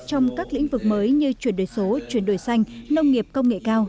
trong các lĩnh vực mới như chuyển đổi số chuyển đổi xanh nông nghiệp công nghệ cao